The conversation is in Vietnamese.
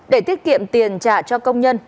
để tiết kiệm tiền trả cho công nhân